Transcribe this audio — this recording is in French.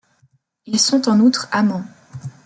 Ils sont en outre amants.